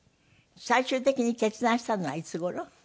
最終的に決断したのはいつ頃？